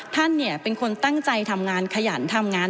ท่านเป็นคนตั้งใจทำงานขยันทำงาน